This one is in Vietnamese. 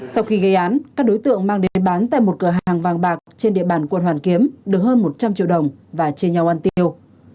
sau khi gây án các đối tượng mang đến bán tại một cửa hàng vàng bạc trên địa bàn quận hoàn kiếm được hơn một trăm linh triệu đồng và chia nhau ăn tiêu